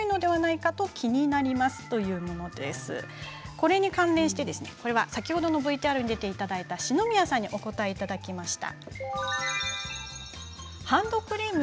これに関連して先ほどのＶＴＲに出ていただいた四宮さんにお答えいただきました。